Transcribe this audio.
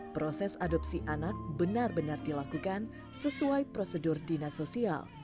proses adopsi anak benar benar dilakukan sesuai prosedur dina sosial